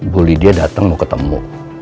bu lydia dateng mau ketemu